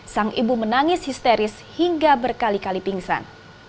sang ibu menangis histeris hingga berkali kali pingsan